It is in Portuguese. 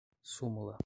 súmula